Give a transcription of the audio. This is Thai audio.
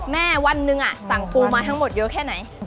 วันหนึ่งสั่งปูมาทั้งหมดเยอะแค่ไหน